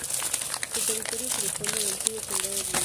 Su territorio corresponde al antiguo condado de Niza.